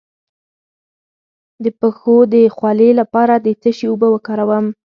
د پښو د خولې لپاره د څه شي اوبه وکاروم؟